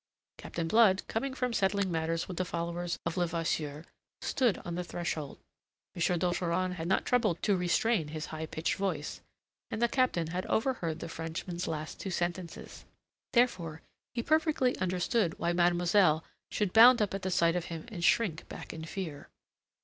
Captain Blood, coming from settling matters with the followers of Levasseur, stood on the threshold. M. d'Ogeron had not troubled to restrain his high pitched voice, and the Captain had overheard the Frenchman's last two sentences. Therefore he perfectly understood why mademoiselle should bound up at sight of him, and shrink back in fear.